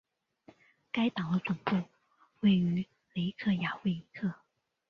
该党的总部位于雷克雅未克。